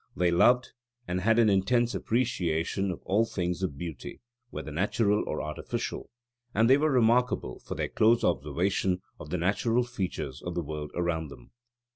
They loved and had an intense appreciation of all things of beauty, whether natural or artificial; and they were remarkable for their close observation of the natural features of the world around them.